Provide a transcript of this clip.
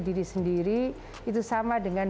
diri sendiri itu sama dengan